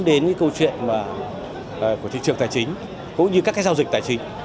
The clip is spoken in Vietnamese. đến cái câu chuyện của thị trường tài chính cũng như các cái giao dịch tài chính